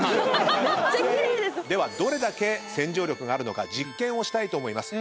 ではどれだけ洗浄力があるのか実験をしたいと思います。